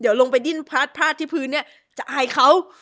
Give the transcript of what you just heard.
เดี๋ยวลงไปดิ้นพลาดพลาดที่พื้นเนี่ยจะอายเขา